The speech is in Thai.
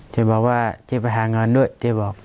เจ๊บอกว่าเจ๊ไปหาเงินด้วยเจ๊บอก